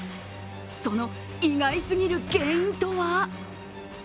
その意外すぎる原因とは？